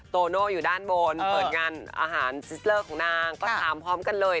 โตโน่อยู่ด้านบนเปิดงานอาหารซิสเลอร์ของนางก็ถามพร้อมกันเลย